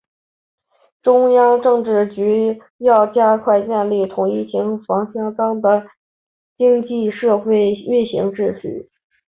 中央政治局常委会会议强调要加快建立同疫情防控相适应的经济社会运行秩序